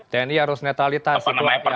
tni harus netralitas itu yang ingin anda katakan ya